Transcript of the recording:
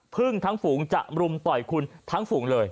พึ่งทั้งฝูงจะรุมต่อยคุณทั้งฝูงเลย